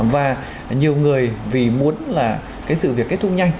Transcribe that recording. và nhiều người vì muốn là cái sự việc kết thúc nhanh